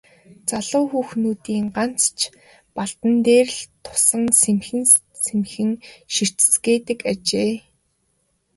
Залуу хүүхнүүдийн харц ч Балдан дээр л тусан сэмхэн сэмхэн ширтэцгээдэг ажээ.